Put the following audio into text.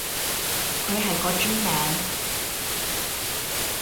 佢係個專名